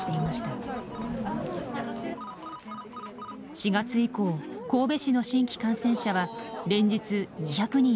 ４月以降神戸市の新規感染者は連日２００人を突破。